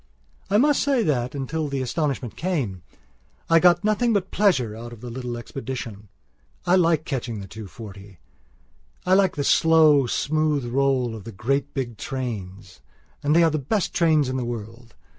I must say that, until the astonishment came, I got nothing but pleasure out of the little expedition. I like catching the two forty; I like the slow, smooth roll of the great big trainsand they are the best trains in the world!